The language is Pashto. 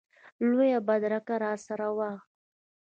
لویه بدرګه راسره وه.